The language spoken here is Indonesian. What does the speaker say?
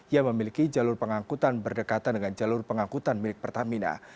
yang memiliki jalur pengangkutan berdekatan dengan jalur pengangkutan milik pertamina